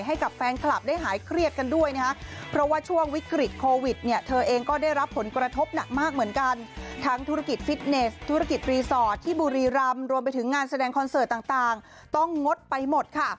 ให้กับแฟนคลับได้หายเครียดกันด้วยนะคะ